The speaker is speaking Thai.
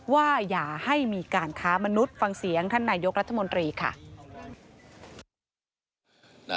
อย่าให้มีการค้ามนุษย์ฟังเสียงท่านนายกรัฐมนตรีค่ะ